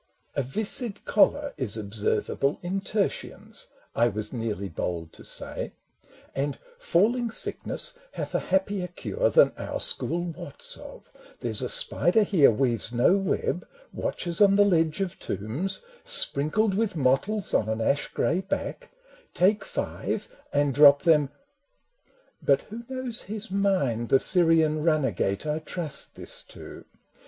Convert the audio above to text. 188 MEN AND WOMEN A viscid choler is observable In tertians, I was nearly bold to say ; And falling sickness hath a happier cure Than our school wots of: there 's a spider here Weaves no web, watches on the ledge of tombs, Sprinkled with mottles on an ash grey back ; Take five and drop them .. but who knows his mind, The Syrian runagate I trust this to?